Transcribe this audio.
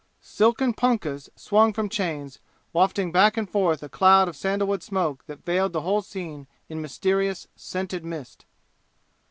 Silken punkahs swung from chains, wafting back and forth a cloud of sandalwood smoke that veiled the whole scene in mysterious, scented mist.